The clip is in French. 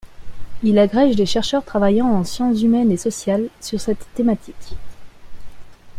Il agrège les chercheurs travaillant en sciences humaines et sociales sur cette thématique.